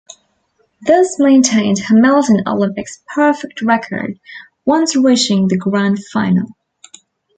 This maintained Hamilton Olympic's perfect record once reaching the Grand Final.